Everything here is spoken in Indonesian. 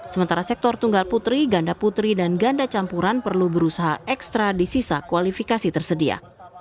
sementara sektor tunggal putri ganda putri dan ganda campuran perlu berusaha ekstra di sisa kualifikasi tersedia